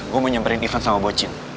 gue mau nyamperin event sama bocin